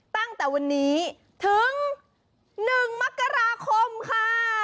ตั้งแต่วันนี้ถึง๑มกราคมค่ะ